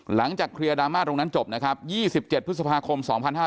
หลังจากเคลียร์ดราม่าตรงนั้นจบนะครับ๒๗พฤษภาคม๒๕๕๙